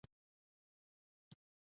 آزاد تجارت مهم دی ځکه چې ژوند سطح ښه کوي.